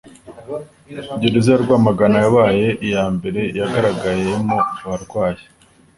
Gereza ya Rwamagana yabaye iya mbere yagaragayemo abarwayi,